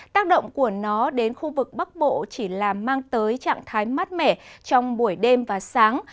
tác động của nó đến khu vực bắc bộ chỉ là mang tới trạng thái mát mẻ trong buổi đêm và sáng